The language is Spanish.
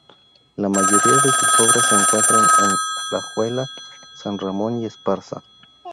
La mayoría de sus obras se encuentran en Alajuela, San Ramón y Esparza.